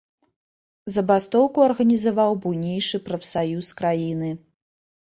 Забастоўку арганізаваў буйнейшы прафсаюз краіны.